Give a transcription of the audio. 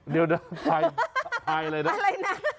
เดี่ยวหลับพลายอะไรนะอะไรนะ